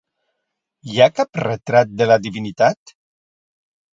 Hi ha cap retrat de la divinitat?